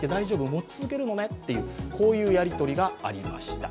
持ち続けるのねとこういうやり取りがありました。